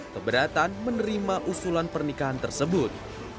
keberatan menerima usulan pernikahan tersebut